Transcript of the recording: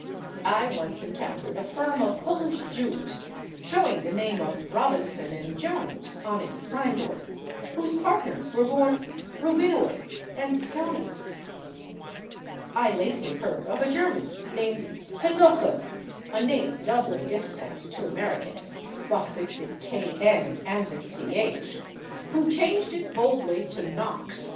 I once encountered a firm of Polish Jews, showing the name of /Robinson & Jones/ on its sign board, whose partners were born /Rubinowitz/ and /Jonas/. I lately heard of a German named /Knoche/ a name doubly difficult to Americans, what with the /kn/ and the /ch/ who changed it boldly to /Knox/ to avoid being called /Nokky